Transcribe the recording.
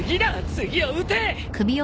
次を撃て！